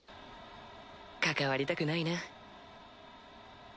関わりたくないな。